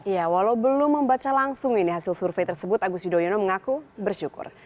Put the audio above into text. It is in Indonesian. ya walau belum membaca langsung ini hasil survei tersebut agus yudhoyono mengaku bersyukur